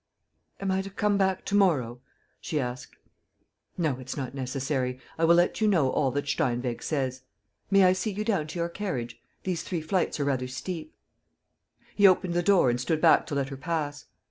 "Am I to come back to morrow?" she asked. "No, it's not necessary. I will let you know all that Steinweg says. May I see you down to your carriage? These three flights are rather steep. ..." He opened the door and stood back to let her pass.